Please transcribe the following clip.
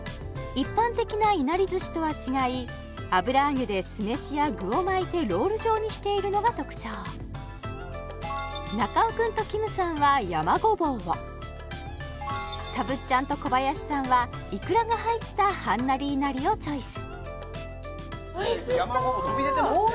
一般的ないなり寿司とは違い油揚げで酢飯や具を巻いてロール状にしているのが特徴中尾君ときむさんは山ごぼうをたぶっちゃんと小林さんはいくらが入ったはんなりいなりをチョイスおいしそう山ごぼう飛び出てますね